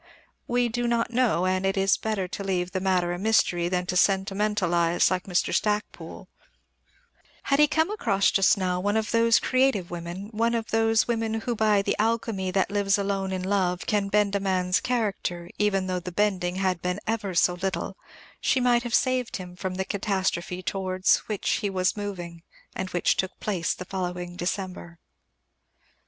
We do not know, and it is better to leave the matter a mystery than to sentimentalize like Mr. Stacpoole: Had he come across just now one of those creative women, one of those women who by the alchemy that lives alone in love can bend a man's character, even though the bending had been ever so little, she might have saved him from the catastrophe towards which he was moving, and which took place in the following December.